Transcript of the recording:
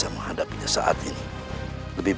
aku akan pergi ke istana yang lain